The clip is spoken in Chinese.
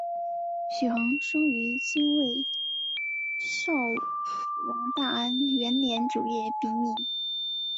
许衡生于金卫绍王大安元年九月丙寅。